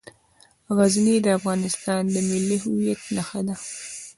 غزني د افغانستان د ملي هویت نښه ده.